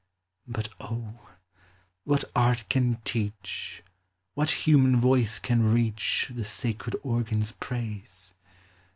But O, what art can teach, What human voice can reach, The sacred organ's praise